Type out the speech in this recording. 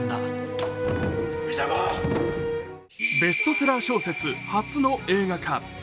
ベストセラー小説、初の映画化。